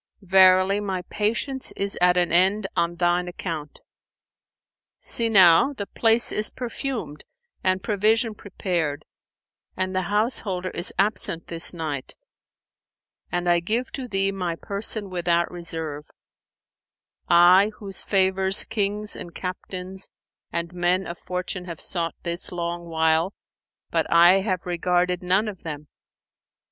Verily my patience is at an end on thine account. See now, the place is perfumed and provision prepared and the householder is absent this night, and I give to thee my person without reserve, I whose favours kings and captains and men of fortune have sought this long while, but I have regarded none of them."